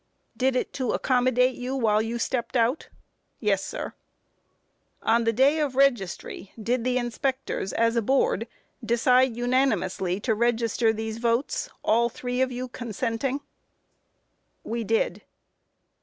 Q. Did it to accommodate you while you stepped out? A. Yes, sir. Q. On the day of registry did the inspectors as a board decide unanimously to register these votes, all three of you consenting? A. We did.